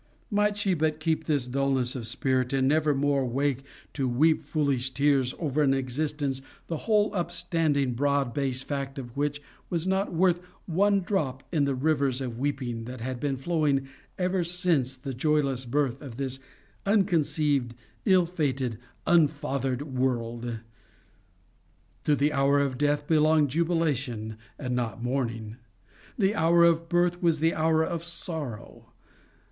Might she but keep this dulness of spirit, and never more wake to weep foolish tears over an existence the whole upstanding broad based fact of which was not worth one drop in the rivers of weeping that had been flowing ever since the joyless birth of this unconceived, ill fated, unfathered world! To the hour of death belonged jubilation and not mourning; the hour of birth was the hour of sorrow.